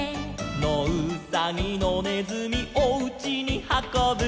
「のうさぎのねずみおうちにはこぶ」